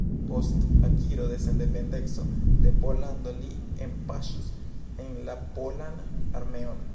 Post akiro de sendependeco de Pollando li enpaŝis en la polan armeon.